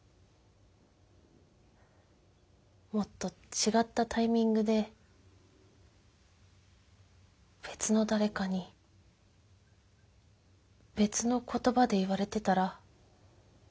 もっと違ったタイミングで別の誰かに別の言葉で言われてたら。